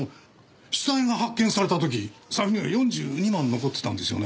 死体が発見された時財布には４２万残ってたんですよね。